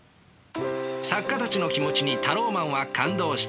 作家たちの気持ちにタローマンは感動した。